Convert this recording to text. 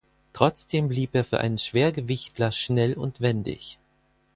Trotzdem blieb er für einen Schwergewichtler schnell und wendig.